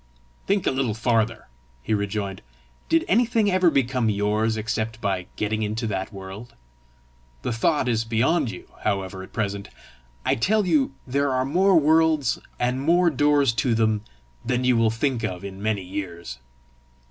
"Think a little farther," he rejoined: "did anything ever become yours, except by getting into that world? The thought is beyond you, however, at present! I tell you there are more worlds, and more doors to them, than you will think of in many years!"